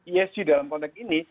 isg dalam konteks ini